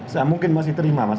saya mungkin masih terima mas